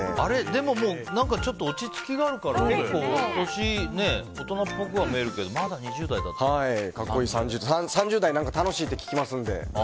でも落ち着きがあるから結構大人っぽく見えるけど３０代楽しいって聞きますので。